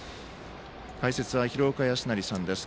解説は廣岡資生さんです。